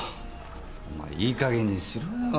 いいかげんにしろよ。